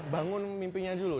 bangun mimpinya dulu